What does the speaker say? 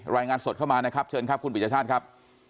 รายงานสดเข้ามานะครับเชิญครับคุณปิชชาติครับ